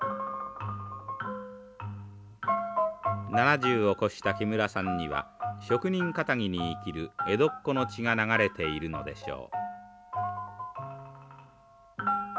７０を越した木村さんには職人かたぎに生きる江戸っ子の血が流れているのでしょう。